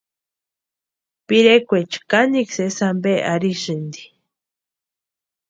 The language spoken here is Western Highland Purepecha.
Pirekwaecha kanikwa sési ampe arhisïnti.